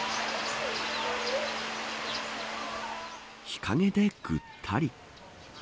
日陰でぐったり。